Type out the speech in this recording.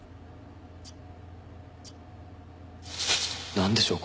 なんでしょう？